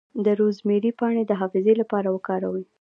د روزمیری پاڼې د حافظې لپاره وکاروئ